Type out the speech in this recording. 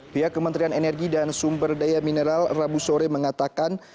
pihak kementerian energi dan sumber daya mineral rabu sore mengatakan